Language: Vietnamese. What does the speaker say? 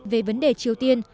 về vấn đề triều tiên